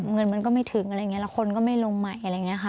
เงินมันก็ไม่ถึงอะไรอย่างนี้แล้วคนก็ไม่ลงใหม่อะไรอย่างนี้ค่ะ